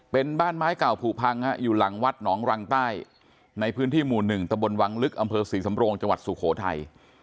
เป็นบ้านไม้เก่าผูพังอยู่หลังวัดหนองรังใต้ในพื้นที่หมู่๑ตะบนวังลึกอำเภอศรีสำโรงจังหวัดสุโขทัย